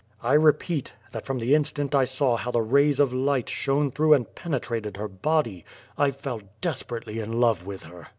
'' *'I repeat, that from the instant I saw how the rays of light shone through and penetrated her body, I fell desper ately in love with her."